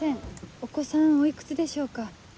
お子さんおいくつでしょうか？